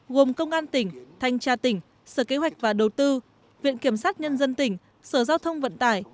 gồm công an tỉnh thanh tra tỉnh sở kế hoạch và đầu tư viện kiểm sát nhân dân tỉnh sở giao thông vận tải